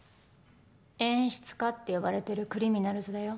「演出家」って呼ばれてるクリミナルズだよ